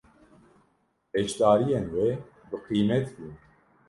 Beşdariyên wê bi qîmet bûn.